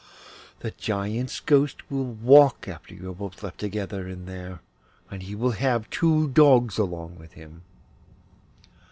The Giant's ghost will walk after you are both left together in there, and he will have two dogs along with him.